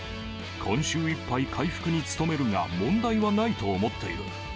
今週いっぱい回復に努めるが、問題はないと思っている。